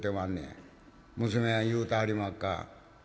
「娘はん言うてはりまっか？